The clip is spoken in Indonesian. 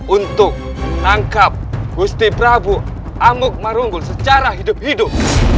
untuk menangkap gusti prabowo amuk marunggul secara hidup hidup